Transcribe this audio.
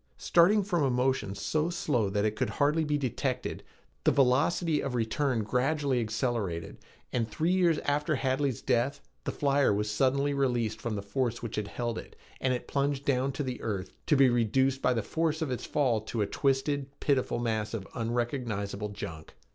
Starting from a motion so slow that it could hardly be detected, the velocity of return gradually accelerated; and three years after Hadley's death, the flyer was suddenly released from the force which held it, and it plunged to the earth, to be reduced by the force of its fall to a twisted, pitiful mass of unrecognizable junk.